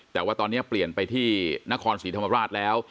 แต่ว่าตอนนี้เปลี่ยนไปที่นครศรีธรรมราชแล้ว